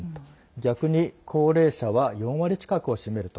逆に高齢者は４割近くを占めると。